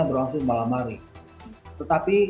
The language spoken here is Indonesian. berlangsung di malam hari